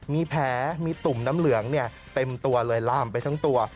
มีแผลมีตุ่มน้ำเหลืองเต็มตัวเลยล่ามไปทั้งตัว